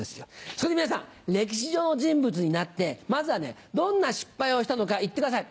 そこで皆さん歴史上の人物になってまずはねどんな失敗をしたのか言ってください。